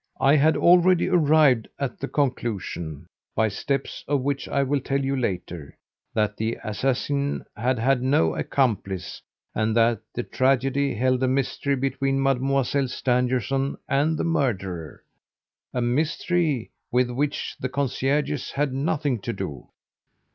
I had already arrived at the conclusion, by steps of which I will tell you later that the assassin had had no accomplice, and that the tragedy held a mystery between Mademoiselle Stangerson and the murderer, a mystery with which the concierges had nothing to do.